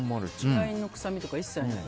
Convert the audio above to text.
血合いの臭みとか一切ない。